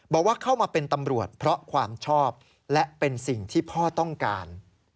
บอกว่าเข้ามาเป็นตำรวจเพราะความชอบและเป็นสิ่งที่พ่อต้องการ